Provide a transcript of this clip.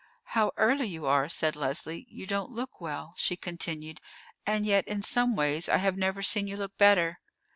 "How early you are!" said Leslie. "You don't look well," she continued, "and yet in some ways I have never seen you look better."